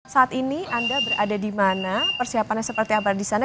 saat ini anda berada di mana persiapannya seperti apa di sana